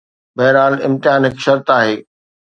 بهرحال، امتحان هڪ شرط آهي.